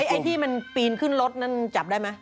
ไอ้ที่มันปีนขึ้นรถนั้นจับได้ไหม